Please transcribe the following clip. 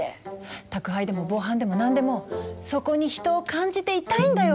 宅配でも防犯でも何でもそこに人を感じていたいんだよ